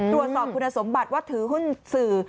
ตรวจสอบคุณสมบัติว่าถือหุ้นสื่อ